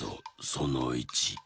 その１。